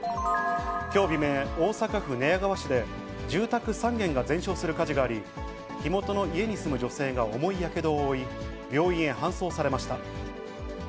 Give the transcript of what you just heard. きょう未明、大阪府寝屋川市で、住宅３軒が全焼する火事があり、火元の家に住む女性が重いやけどを負い、病院へ搬送されました。